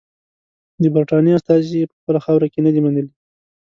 د برټانیې استازي یې په خپله خاوره کې نه دي منلي.